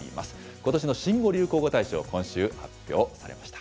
ことしの新語・流行語大賞、今週、発表されました。